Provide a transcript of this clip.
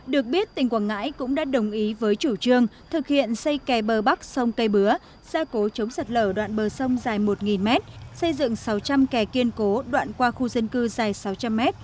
được biết tỉnh quảng ngãi cũng đã đồng ý với chủ trương thực hiện xây kè bờ bắc sông cây bứa gia cố chống sạt lở đoạn bờ sông dài một m xây dựng sáu trăm linh kẻ kiên cố đoạn qua khu dân cư dài sáu trăm linh m